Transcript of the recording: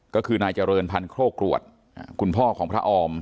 ก็คือนายเจริญพันธ์โครกรวดคุณพ่อของพระออม